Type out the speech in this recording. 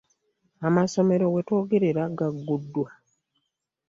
Amasomero we twogerera gagguddwa.